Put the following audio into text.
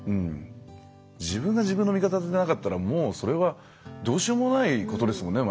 自分が自分の味方でなかったらもうそれはどうしようもないことですもんね